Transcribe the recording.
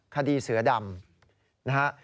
คดีเสือดำนะฮะ